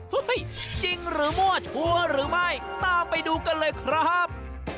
จริงหรือมั่วชัวร์หรือไม่ตามไปดูกันเลยครับ